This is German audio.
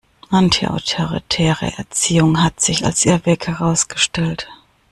Antiautoritäre Erziehung hat sich als Irrweg herausgestellt.